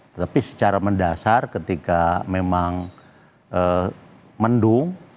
tetapi secara mendasar ketika memang mendung